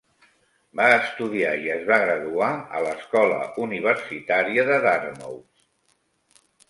Va estudiar i es va graduar a l'Escola Universitària de Dartmouth.